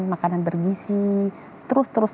makanan bergizi terus terus